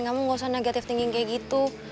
kamu gak usah negative thinking kayak gitu